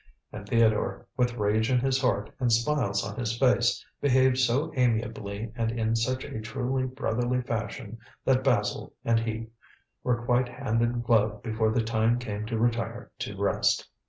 And Theodore, with rage in his heart and smiles on his face, behaved so amiably and in such a truly brotherly fashion, that Basil and he were quite hand in glove before the time came to retire to rest.